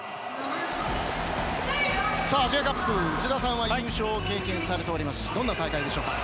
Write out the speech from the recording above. アジアカップ、内田さんは優勝を経験されておりますがどんな大会でしょうか？